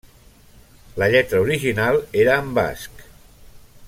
La lletra original era en basc.